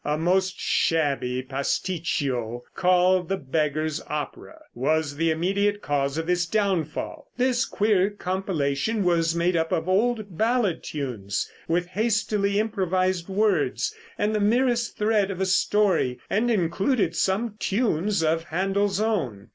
A most shabby pasticcio called the "Beggar's Opera," was the immediate cause of his downfall. This queer compilation was made up of old ballad tunes, with hastily improvised words, and the merest thread of a story, and included some tunes of Händel's own.